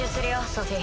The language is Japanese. ソフィ。